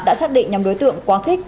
đã xác định nhóm đối tượng quá khích